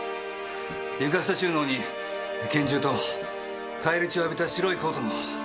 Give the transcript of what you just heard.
床下収納に拳銃と返り血を浴びた白いコートも。